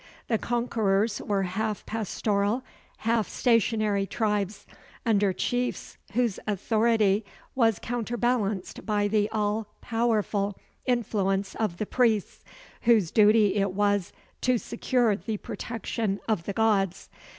The conquerors were half pastoral, half stationary tribes, under chiefs whose authority was counterbalanced by the all powerful influence of the priests whose duty it was to secure the protection of the gods.